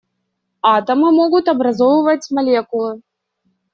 Атомы могут образовывать молекулы.